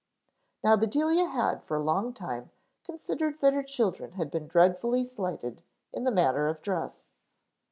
Now Bedelia had for a long time considered that her children had been dreadfully slighted in the matter of dress.